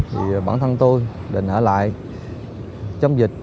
thì bản thân tôi định ở lại chống dịch